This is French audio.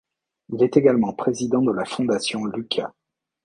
Il est également président de la fondation Luca.